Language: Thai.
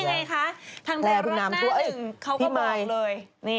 นี่ยังไงคะทางแดรนด์หน้าหนึ่งเขาก็บอกเลย